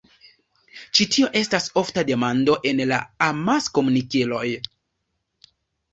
Ĉi tio estas ofta demando en la amaskomunikiloj.